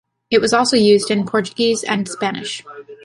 It was also used in Portuguese, and Spanish.